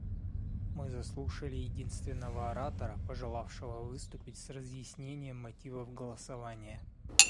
Мы заслушали единственного оратора, пожелавшего выступить с разъяснением мотивов голосования.